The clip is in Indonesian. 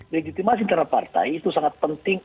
legitimasi antara partai itu sangat penting